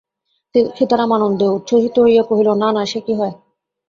সীতারাম আনন্দে উচ্ছ্বসিত হইয়া কহিল, না না, সে কি হয়?